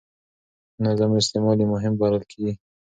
منظم استعمال یې مهم بلل کېږي.